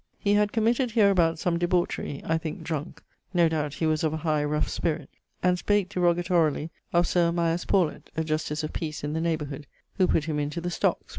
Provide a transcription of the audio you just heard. He had committed hereabout some debauchery (I thinke, drunke: no doubt he was of a high rough spirit), and spake derogatorily of Sir Amias Paulet (a Justice of Peace in the neighbourhood), who putt him into the stockes[CII.